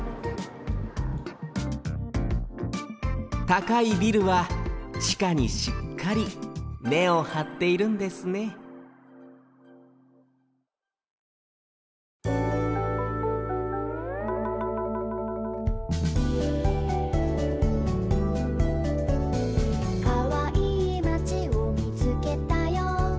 たかいビルはちかにしっかり根をはっているんですね「かわいいまちをみつけたよ」